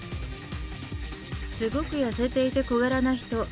すごく痩せていて、小柄な人。